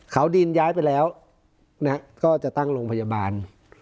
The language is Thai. เขาดินย้ายไปแล้วก็จะตั้งโรงพยาบาล